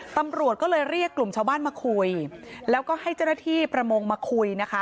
ตำรวจก็เลยเรียกกลุ่มชาวบ้านมาคุยแล้วก็ให้เจ้าหน้าที่ประมงมาคุยนะคะ